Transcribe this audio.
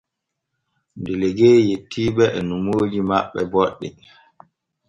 Delegue yetti ɓe e nomooji maɓɓe boɗɗi.